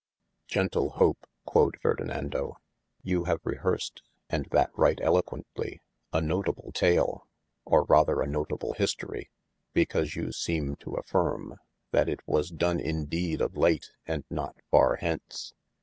Gentle Hope (quod Ferdinando) you have rehearsed (& that right eloquetly) a notable tale, or rather a notable history, because you seeme to affirme, that i[t] was done in dede of late & not far hence.